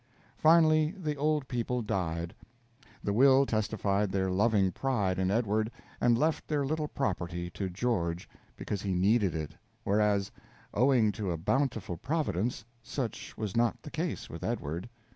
Finally, the old people died. The will testified their loving pride in Edward, and left their little property to George because he "needed it"; whereas, "owing to a bountiful Providence," such was not the case with Edward.